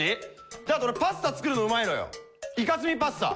であと俺パスタ作るのうまいのよイカ墨パスタ。